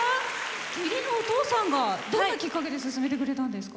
義理のお義父さんがどんなきっかけで勧めてくれたんですか？